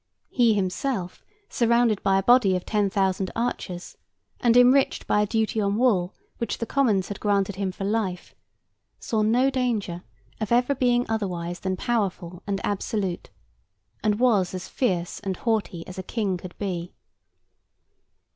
He himself, surrounded by a body of ten thousand archers, and enriched by a duty on wool which the Commons had granted him for life, saw no danger of ever being otherwise than powerful and absolute, and was as fierce and haughty as a King could be.